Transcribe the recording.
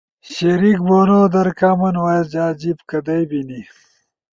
شریک بونو در کامن وائس جا جیِب کدئی بینی؟